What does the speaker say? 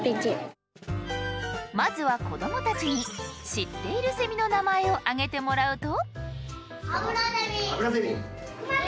まずは子どもたちに知っているセミの名前を挙げてもらうと。